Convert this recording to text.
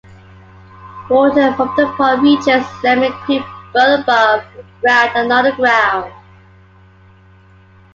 Water from the pond reaches Lemon Creek both above ground and underground.